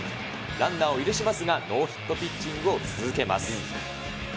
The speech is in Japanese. ランナーを許しますが、ノーヒットピッチングを続けます。